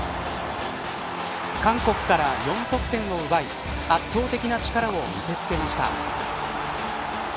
韓国から４得点を奪い圧倒的な力を見せ付けました。